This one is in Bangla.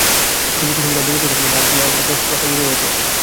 তবু, কুসুম যা বলিতে চায় আর কিসে তা এত স্পষ্ট বোঝা যাইত?